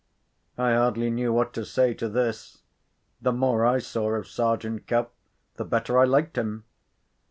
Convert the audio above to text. I hardly knew what to say to this. The more I saw of Sergeant Cuff, the better I liked him.